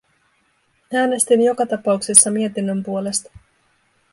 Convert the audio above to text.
Äänestin joka tapauksessa mietinnön puolesta.